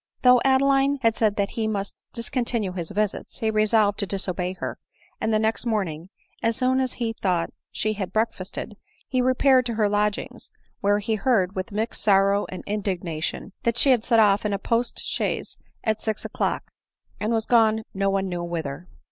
Though Adeline had said that he must discontinue his visits, he resolved to disobey her ; and the next morning, as soon as he thought she had breakfasted, he repaired to her lodgings; where he heard, with mixed sorrow and indignation, that she had set off in a post chaise at six o'clock, and was gone no one knew whither.